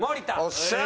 よっしゃ！